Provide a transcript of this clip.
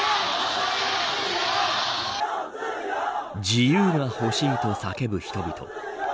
自由がほしいと叫ぶ人々。